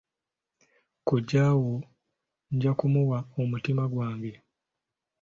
Kojja wo nja kumuwa omutima gwange.